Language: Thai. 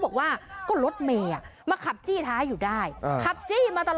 ผมก็เลยเอจแต่นะครับคุณวิมา